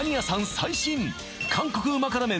最新韓国旨辛麺